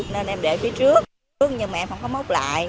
nên em để phía trước nhưng mà em không có mốc lại